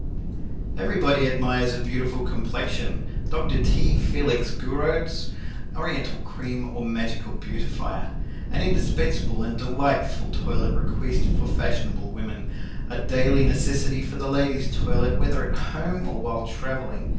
Everybody Admires a Beautiful Complexion. DR. T. FELIX GOURAUD'S Oriental Cream or Magical Beautifier An Indispensable and Delightful Toilet Requisite for Fashionable Women. A daily necessity for the ladies' toilet whether at home or while traveling.